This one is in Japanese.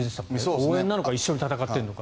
応援なのか一緒に戦っているのか。